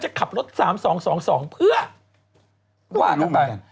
จะขับรถ๓๒๒เพื่อว่ากันไป